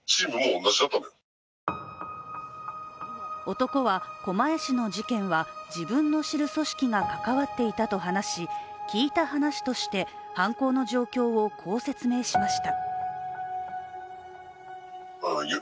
男は、狛江市の事件は自分の知る組織が関わっていたと話し聞いた話として、犯行の状況をこう説明しました。